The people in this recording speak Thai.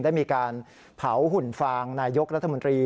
ได้มีการเผาหุ่นฟางนายกรัฐมนตรี